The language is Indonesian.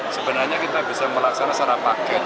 sebenarnya kita bisa melaksanakan secara paket